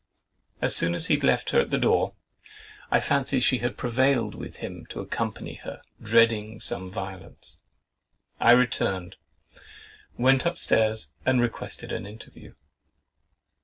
As soon as he had left her at the door (I fancy she had prevailed with him to accompany her, dreading some violence) I returned, went up stairs, and requested an interview.